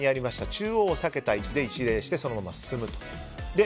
中央を避けた位置で一礼して、そのまま進むと。